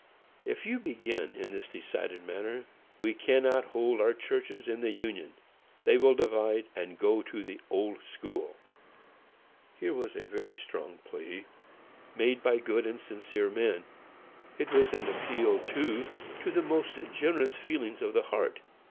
If you begin in this decided manner, we cannot hold our churches in the union; they will divide, and go to the Old School." Here was a very strong plea, made by good and sincere men. It was an appeal, too, to the most generous feelings of the heart.